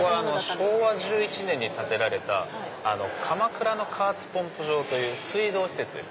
昭和１１年に建てられた鎌倉の加圧ポンプ所という水道施設です。